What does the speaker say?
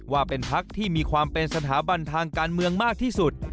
ว่าเป็นพักที่มีความเป็นสถาบันทางการเมืองมากที่สุด